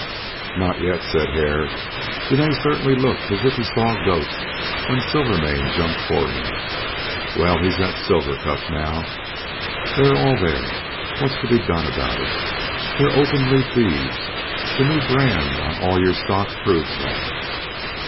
"Not yet," said Hare. "Dene certainly looked as if he saw a ghost when Silvermane jumped for him. Well, he's at Silver Cup now. They're all there. What's to be done about it? They're openly thieves. The new brand on all your stock proves that."